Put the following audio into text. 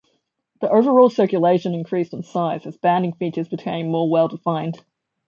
The overall circulation increased in size as banding features became more well-defined.